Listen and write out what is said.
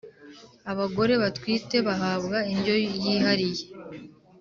Abagore batwite bahabwa indyo yihariye .